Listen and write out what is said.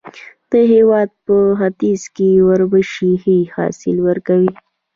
د هېواد په ختیځ کې اوربشې ښه حاصل ورکوي.